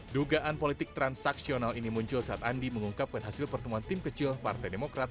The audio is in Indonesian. dugaan politik transaksional ini muncul saat andi mengungkapkan hasil pertemuan tim kecil partai demokrat